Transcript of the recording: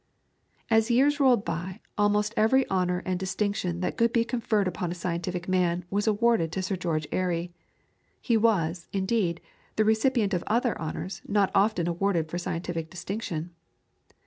As years rolled by almost every honour and distinction that could be conferred upon a scientific man was awarded to Sir George Airy. He was, indeed, the recipient of other honours not often awarded for scientific distinction.